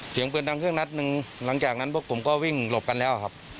เสียงปืนดังเครื่องนัดหนึ่งหลังจากนั้นพวกผมก็วิ่งหลบกันแล้วครับ